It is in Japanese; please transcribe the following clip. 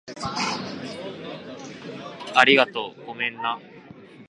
ありがとう。ごめんな